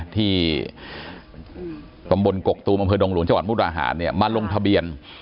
ที่ตำบลกกกตูบดงหลวงจมุราหารมาลงทะเบียน